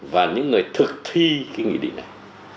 và những người thực thi cái nghị định này